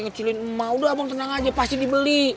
udah abang tenang aja pasti dibeli